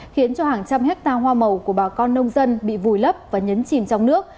khiến cho hàng trăm hectare hoa màu của bà con nông dân bị vùi lấp và nhấn chìm trong nước